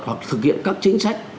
hoặc thực hiện các chính sách